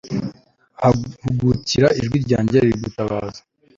hugukira ijwi ryanjye rigutabaza